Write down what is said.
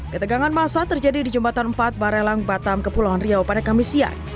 ketegangan masa terjadi di jembatan empat barelang batam kepulauan riau pada kamis siang